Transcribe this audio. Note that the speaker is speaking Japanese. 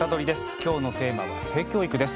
きょうのテーマは性教育です。